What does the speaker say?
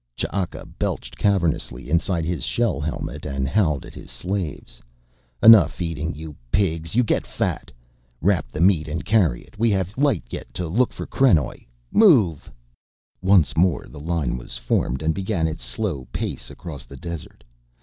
Ch'aka belched cavernously inside his shell helmet and howled at his slaves. "Enough eating, you pigs. You get fat. Wrap the meat and carry it, we have light yet to look for krenoj. Move!" Once more the line was formed and began its slow pace across the desert.